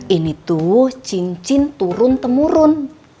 ini tuh cincin turun temurun